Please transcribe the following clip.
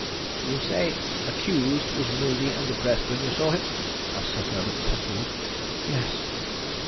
"You say accused was moody and depressed when you saw him?" asked Sir Herbert Templewood. "Yes."